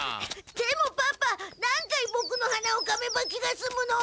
でもパパ何回ボクのはなをかめば気がすむの？